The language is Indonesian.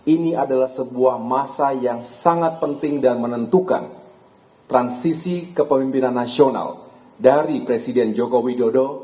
ini adalah sebuah masa yang sangat penting dan menentukan transisi kepemimpinan nasional dari presiden joko widodo